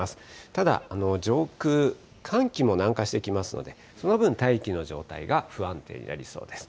ただ、上空、寒気も南下してきますので、その分、大気の状態が不安定になりそうです。